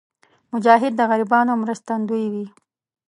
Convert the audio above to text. مجاهد د غریبانو مرستندوی وي.